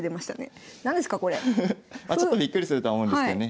まあちょっとびっくりするとは思うんですけどね。